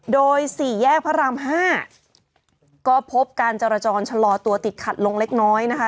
โดยสี่แยกพระราม๕ก็พบการจราจรชะลอตัวติดขัดลงเล็กน้อยนะคะ